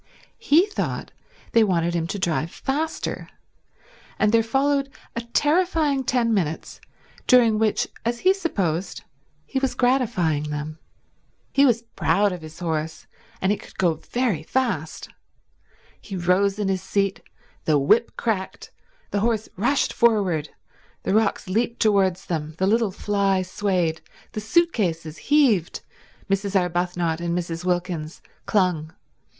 He thought they wanted him to drive faster; and there followed a terrifying ten minutes during which, as he supposed, he was gratifying them. He was proud of his horse, and it could go very fast. He rose in his seat, the whip cracked, the horse rushed forward, the rocks leaped towards them, the little fly swayed, the suit cases heaved, Mrs. Arbuthnot and Mrs. Wilkins clung.